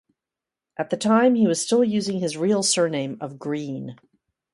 At the time he was still using his real surname of Green.